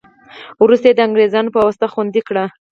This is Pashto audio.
وروسته یې د انګرېزانو په واسطه خوندي کړې.